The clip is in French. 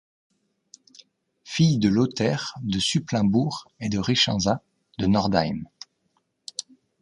Fille de Lothaire de Supplinbourg et de Richenza de Nordheim.